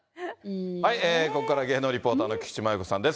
ここからは芸能リポーターの菊池真由子さんです。